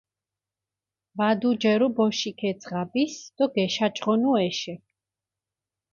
ვადუჯერუ ბოშიქ ე ძღაბის დო გეშაჯღონუ ეშე.